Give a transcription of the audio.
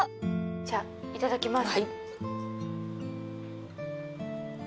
じゃいただきます